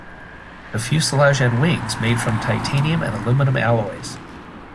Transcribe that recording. The fuselage and wings made from titanium and aluminium alloys.